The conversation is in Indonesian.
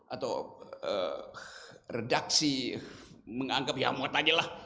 atau redaksi menganggap ya muat aja lah